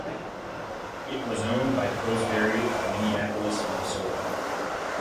It was owned by Pillsbury of Minneapolis, Minnesota.